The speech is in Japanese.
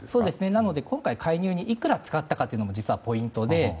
なので、今回介入にいくら使ったかもポイントで。